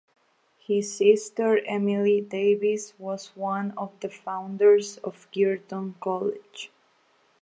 His sister Emily Davies was one of the founders of Girton College.